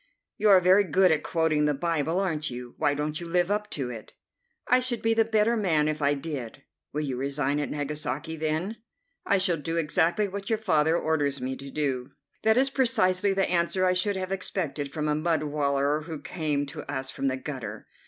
"You are very good at quoting the Bible, aren't you? Why don't you live up to it?" "I should be the better man if I did." "Will you resign at Nagasaki, then?" "I shall do exactly what your father orders me to do." "That is precisely the answer I should have expected from a mud wallower who came to us from the gutter."